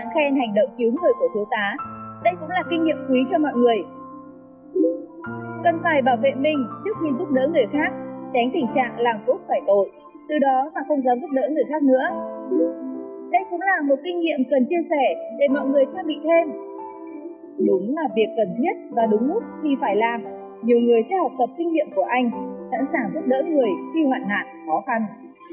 khi phải làm nhiều người sẽ học tập kinh nghiệm của anh sẵn sàng giúp đỡ người khi hoạn nạn khó khăn